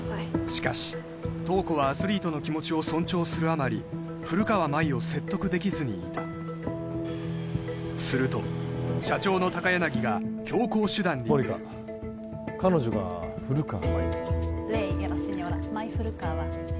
しかし塔子はアスリートの気持ちを尊重するあまり古川舞を説得できずにいたすると社長の高柳が強硬手段に出る彼女が古川舞です